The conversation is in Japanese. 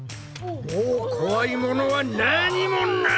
もう怖いものは何もない！